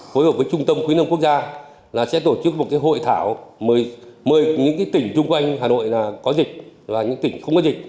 phối hợp với trung tâm quyến đồng quốc gia sẽ tổ chức một hội thảo mời những tỉnh chung quanh hà nội có dịch và những tỉnh không có dịch